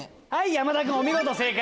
山田君お見事正解！